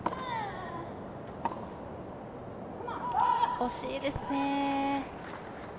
惜しいですね。